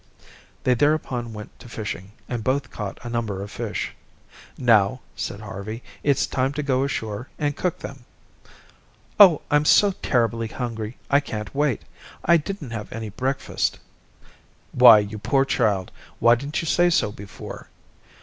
They thereupon went to fishing, and both caught a number of fish. "Now," said Harvey, "it's time to go ashore and cook them." "Oh, I'm so terribly hungry I can't wait. I didn't have any breakfast." "Why, you poor child. Why didn't you say so before?"